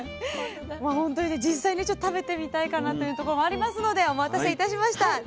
まあほんとにね実際に食べてみたいかなというところもありますのでお待たせいたしました。